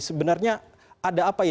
sebenarnya ada apa